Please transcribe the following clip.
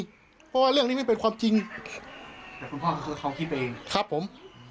เพราะว่าเรื่องนี้ไม่เป็นความจริงแต่คุณพ่อก็คือเขาคิดไปเองครับผม